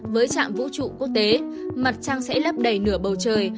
với trạm vũ trụ quốc tế mặt trăng sẽ lấp đầy nửa bầu trời